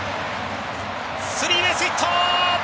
スリーベースヒット！